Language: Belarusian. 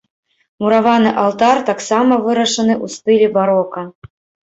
Мураваны алтар таксама вырашаны ў стылі барока.